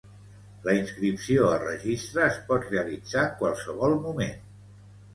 La inscripció al Registre es pot realitzar en qualsevol moment.